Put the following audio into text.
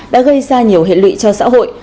đã gây ra nhiều hệ lụy cho xã hội